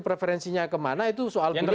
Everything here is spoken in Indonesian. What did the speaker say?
preferensinya kemana itu soal pilihan